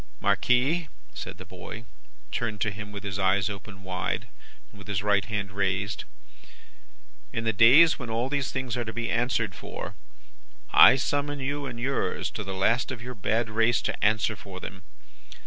"'Marquis,' said the boy, turned to him with his eyes opened wide, and his right hand raised, 'in the days when all these things are to be answered for, I summon you and yours, to the last of your bad race, to answer for them.